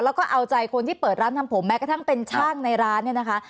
และก็เอาใจคนที่เปิดร้านทำผมแม้กระทั่งเป็นชาวนี้ในร้าน